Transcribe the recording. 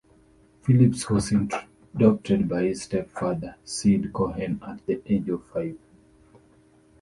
Phillips was adopted by his stepfather, Syd Cohen, at the age of five.